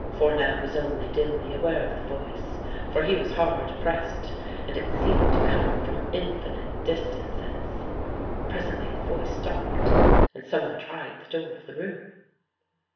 Fournel was only dimly aware of the voice, for he was hard pressed, and it seemed to come from infinite distances. Presently the voice stopped, and some one tried the door of the room.